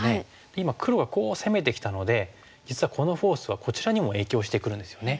今黒がこう攻めてきたので実はこのフォースはこちらにも影響してくるんですよね。